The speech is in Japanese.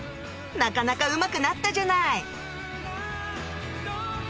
なかなかうまくなったじゃない！